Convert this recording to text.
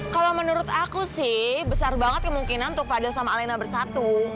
kalau menurut aku sih besar banget kemungkinan tuh pada sama alena bersatu